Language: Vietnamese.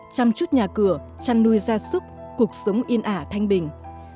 chăm chút nhà cửa chăn nuôi gia sức cuộc sống yên ả thanh bình